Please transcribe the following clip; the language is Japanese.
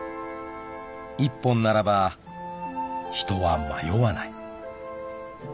［１本ならば人は迷わない］